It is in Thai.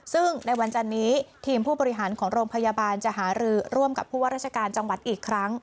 ซึ่งในวันจันนี้ทีมผู้บริหารของโรงพยาบาลจะหารือร่วมกับผู้ว่าราชการจังหวัดอีกครั้ง